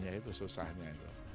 ya itu susahnya